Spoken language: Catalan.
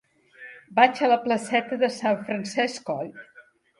Vaig a la placeta de Sant Francesc Coll.